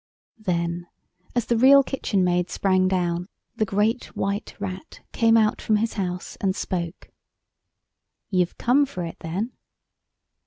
Then, as the Real Kitchen Maid sprang down, the Great White Rat came out from his house and spoke. "You've come for it, then?"